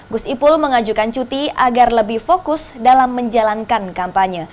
gus ipul mengajukan cuti agar lebih fokus dalam menjalankan kampanye